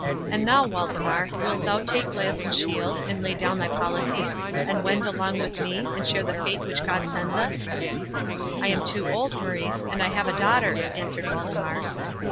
And thou, Waldemar, wilt thou take lance and shield, and lay down thy policies, and wend along with me, and share the fate which God sends us?" "I am too old, Maurice, and I have a daughter," answered Waldemar.